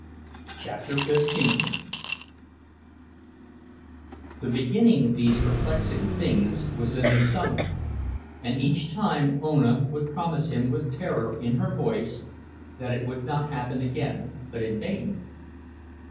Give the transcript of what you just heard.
CHAPTER XV The beginning of these perplexing things was in the summer; and each time Ona would promise him with terror in her voice that it would not happen again—but in vain.